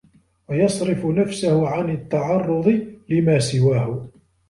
وَيَصْرِفَ نَفْسَهُ عَنْ التَّعَرُّضِ لِمَا سِوَاهُ